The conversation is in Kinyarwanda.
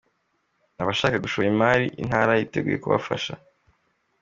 Abashaka gushora imari Intara yiteguye kubafasha